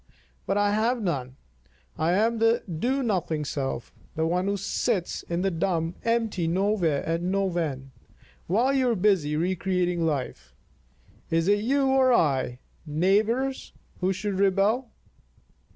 But I have none, I am the do nothing self, the one who sits in the dumb, empty nowhere and nowhen, while you are busy re creating life. Is it you or I, neighbours, who should rebel?